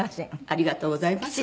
ありがとうございます。